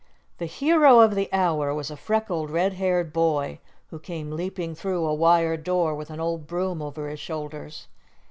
The hero of the hour was a freckled, redhaired boy, who came leaping through a wire door with an old broom over his shoulders.